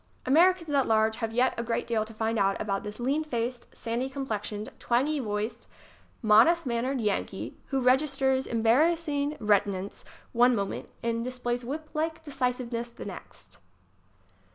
Americans at large have yet a great deal to find out about this lean faced, sandy complexioned, twangy voiced, modest mannered Yankee who reg isters embarrassing reticence one moment and dis plays whip like decisiveness the next.